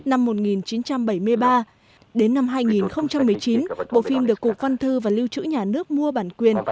năm một nghìn chín trăm bảy mươi ba đến năm hai nghìn một mươi chín bộ phim được cục văn thư và lưu trữ nhà nước mua bản quyền